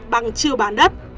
bằng chưa bán đất